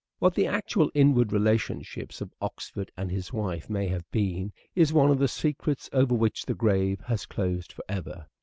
What the actual inward relationships of Oxford and his wife may have been, is one of the secrets over which the grave has closed for ever.